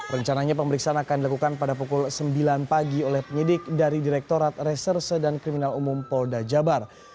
rencananya pemeriksaan akan dilakukan pada pukul sembilan pagi oleh penyidik dari direktorat reserse dan kriminal umum polda jabar